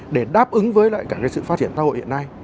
để đáp ứng với lại cả cái sự phát triển xã hội hiện nay